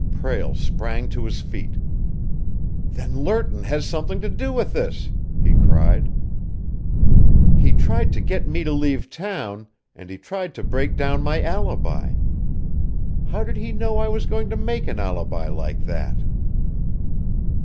Prale sprang to his feet. "Then Lerton has something to do with this!" he cried. "He tried to get me to leave town, and he tried to break down my alibi. How did he know I was going to make an alibi like that?"